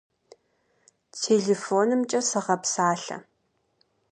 Телефонымкӏэ сыгъэпсалъэ.